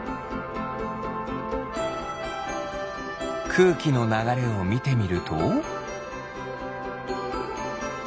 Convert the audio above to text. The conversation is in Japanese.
くうきのながれをみてみると？